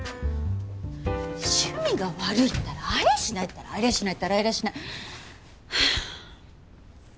趣味が悪いったらありゃしないったらありゃしないったらありゃしない！